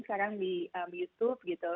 sekarang di youtube gitu